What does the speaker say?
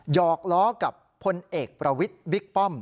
หอกล้อกับพลเอกประวิทย์บิ๊กป้อม